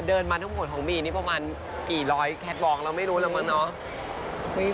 เดินมาทุกขวดของบีนนี่ประมาณกี่ร้อยแคลต์วองแล้วไม่รู้แล้วมั้งเนอะ